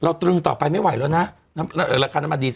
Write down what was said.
เราตรึงต่อไปไม่ไหวละ